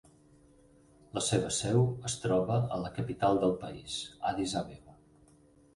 La seva seu es troba a la capital del país, Addis Abeba.